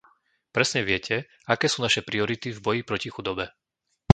Presne viete, aké sú naše priority v boji proti chudobe.